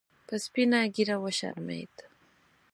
په سپینه ګیره وشرمید